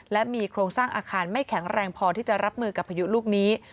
และมีโครงสร้างอาคารไม่แข็งแรงพอที่จะรับมือกับพายุลูกนี้